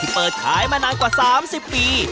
เปิดขายมานานกว่า๓๐ปี